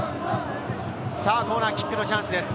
コーナーキックのチャンスです。